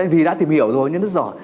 vì đã tìm hiểu rồi nên rất giỏi